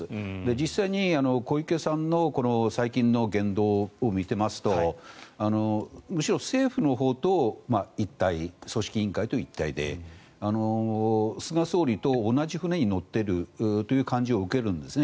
実際に小池さんの最近の言動を見ていますとむしろ政府のほうと一体組織委員会と一体で菅総理と同じ船に乗っているという感じを受けるんですね。